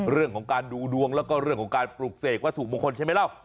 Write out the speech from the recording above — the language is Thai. เรื่องของการดูดวงแล้วก็เรื่องของการปลูกเสกวัตถุมงคลใช่ไหมเล่า